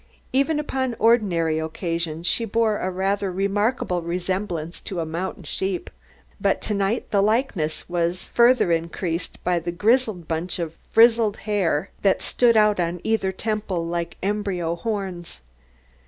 Even upon ordinary occasions she bore a rather remarkable resemblance to a mountain sheep, but to night the likeness was further increased by a grizzled bunch of frizzled hair that stood out on either temple like embryo horns.